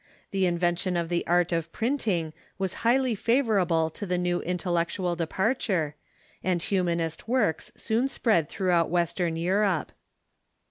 The invention of the art of printing was highly favorable to the new intellectual departure, and Humanist Avorks soon spread throughout Western Europe.